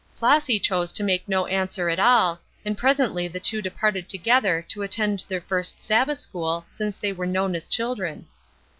Flossy chose to make no answer at all, and presently the two departed together to attend their first Sabbath school since they were known as children.